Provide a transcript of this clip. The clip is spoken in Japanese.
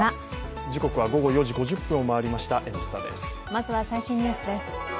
まずは最新ニュースです。